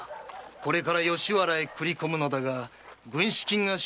これから吉原へ繰り込むのだが軍資金が少々不足。